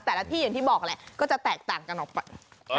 อย่างที่บอกแหละก็จะแตกต่างกันออกไป